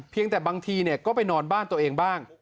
แต่บางทีก็ไปนอนบ้านตัวเองบ้าง